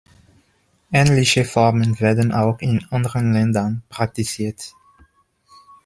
Ähnliche Formen werden auch in anderen Ländern praktiziert.